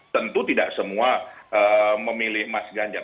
tentu tidak semua memilih mas ganjar